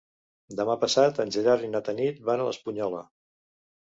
Demà passat en Gerard i na Tanit van a l'Espunyola.